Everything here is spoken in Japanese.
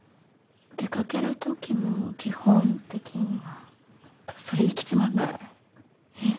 出かける時も基本的には。それ息詰まんない？え？